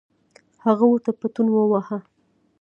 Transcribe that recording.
هغه ورته پتون وواهه.